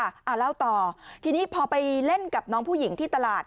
อ่าเล่าต่อทีนี้พอไปเล่นกับน้องผู้หญิงที่ตลาด